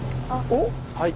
おっ。